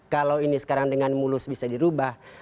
kalau ini sekarang dengan mulus bisa dirubah